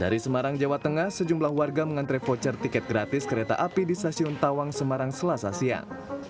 dari semarang jawa tengah sejumlah warga mengantre voucher tiket gratis kereta api di stasiun tawang semarang selasa siang